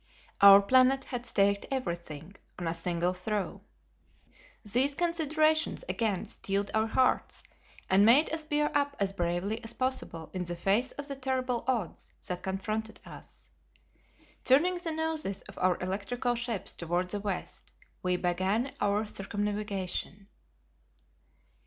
Our planet had staked everything on a single throw. These considerations again steeled our hearts, and made us bear up as bravely as possible in the face of the terrible odds that confronted us. Turning the noses of our electrical ships toward the west, we began our circumnavigation.